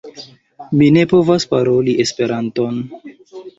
Mi ne povas paroli Esperanton!